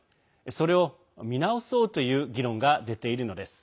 それを見直そうという議論が出ているのです。